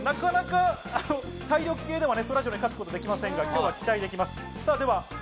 体力系ではそらジローに勝つことができませんが、今日は期待できます。